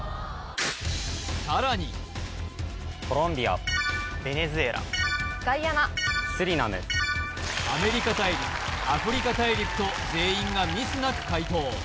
さらにアメリカ大陸アフリカ大陸と全員がミスなく解答